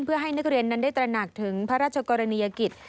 เพื่อให้นักเรียนนั้นได้ตระหนักถึงพระราชกรณียกิจ